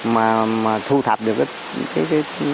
mà mà thu thập được cái cái cái